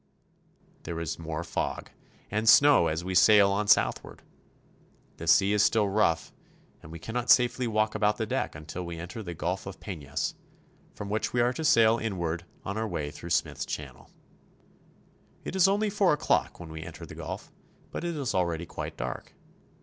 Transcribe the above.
There is more fog and snow as we sail on southward. The sea is still rough, and we cannot safely walk about the deck until we enter the Gulf of Penas, from which we are to sail inward on our way through Smythes Channel. It is only four o'clock when we enter the gulf, but it is already quite dark.